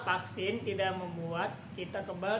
karena vaksin tidak terkena dengan orang yang sebelumnya kena